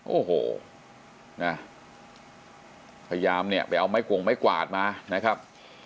โอ้โหนะพยายามเนี่ยไปเอาไม้กงไม้กวาดมานะครับ